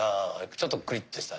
ちょっとコリっとした。